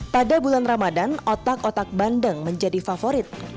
pada bulan ramadan otak otak bandeng menjadi favorit